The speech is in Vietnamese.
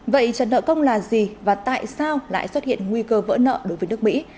vậy trả nợ công là gì và tại sao lại xuất hiện nguy cơ vỡ nợ đối với nước mỹ